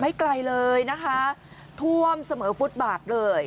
ไกลเลยนะคะท่วมเสมอฟุตบาทเลย